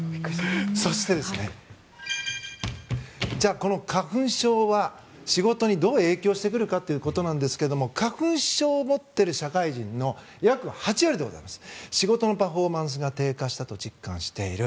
そして、花粉症は仕事にどう影響してくるかということなんですが花粉症を持っている社会人の約８割が仕事のパフォーマンスが低下したと実感している。